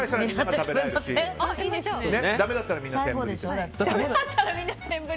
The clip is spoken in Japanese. だめだったら、みんなセンブリ。